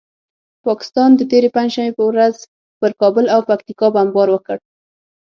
پاکستان د تېرې پنجشنبې په ورځ پر کابل او پکتیکا بمبار وکړ.